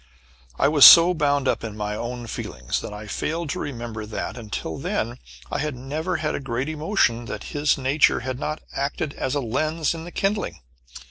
I was so bound up in my own feelings that I failed to remember that, until then, I had never had a great emotion that his nature had not acted as a lens in the kindling.